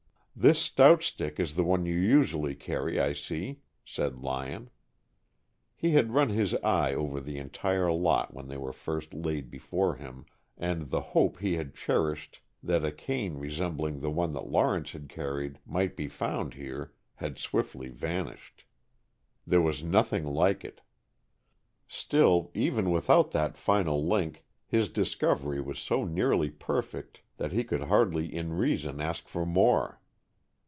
"This stout stick is the one that you usually carry, I see," said Lyon. He had run his eye over the entire lot when they were first laid before him, and the hope he had cherished that a cane resembling the one that Lawrence had carried might be found here had swiftly vanished. There was nothing like it. Still, even without that final link his discovery was so nearly perfect that he could hardly in reason ask for more.